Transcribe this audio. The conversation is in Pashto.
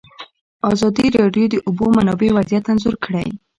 ازادي راډیو د د اوبو منابع وضعیت انځور کړی.